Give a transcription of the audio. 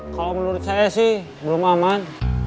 kalau menurut saya sih belum aman